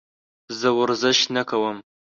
زه ورزش نه کوم.